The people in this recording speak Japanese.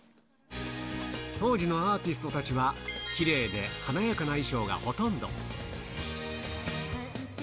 当時のアーティストたちは、きれいで華やかな衣装がほとんど。